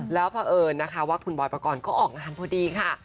แล้วเพราะเอิญนะคะว่าคุณบอยปกรณ์ก็ออกงานพอดีค่ะ